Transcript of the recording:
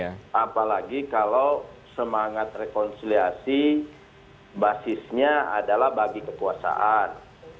apalagi kalau semangat rekonsiliasi basisnya adalah bagi kekuasaan